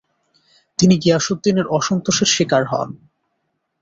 তিনি গিয়াসউদ্দিনের অসন্তোষের শিকার হন।